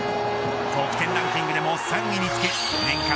得点ランキングでも３位につけ年間